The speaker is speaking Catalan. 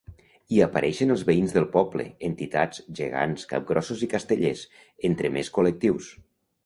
Hi apareixen els veïns del poble, entitats, gegants, capgrossos i castellers, entre més col·lectius.